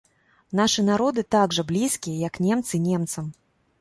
Нашы народы так жа блізкія, як немцы немцам.